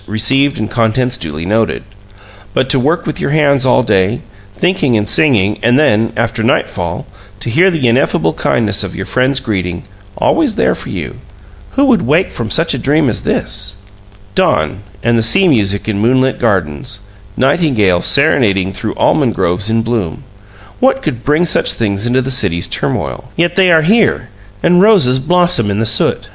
rec'd and contents duly noted." But to work with your hands all day, thinking and singing, and then, after nightfall, to hear the ineffable kindness of your friend's greeting always there for you! Who would wake from such a dream as this? Dawn and the sea music in moonlit gardens nightingales serenading through almond groves in bloom what could bring such things into the city's turmoil? Yet they are here, and roses blossom in the soot.